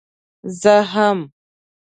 زه هم.